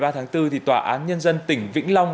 một mươi ba tháng bốn tòa án nhân dân tỉnh vĩnh long